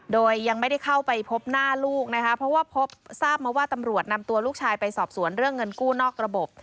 โดยยังไม่ได้เข้าไปพบหน้าลูกนะคะเพราะว่าพบทราบมาว่าตำรวจนำตัวลูกชายไปสอบสวนเรื่องเงินกู้นอกระบบ